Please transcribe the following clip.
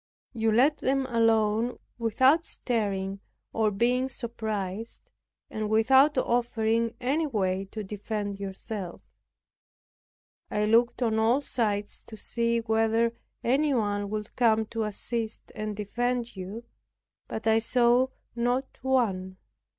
You let them alone without stirring, or being surprised and without offering any way to defend yourself. I looked on all sides to see whether anyone would come to assist and defend you; but I saw not one."